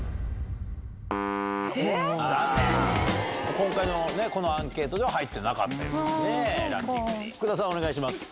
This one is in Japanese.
今回のアンケートでは入ってなかったようですね。